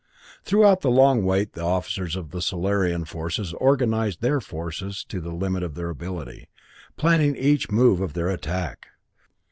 Throughout the long wait the officers of the Solarian forces organized their forces to the limit of their ability, planning each move of their attack.